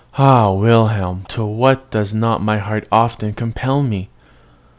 Ah, Wilhelm, to what does not my heart often compel me!